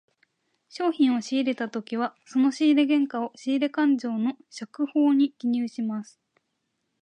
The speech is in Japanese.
商品を仕入れたときはその仕入れ原価を、仕入れ勘定の借方に記入します。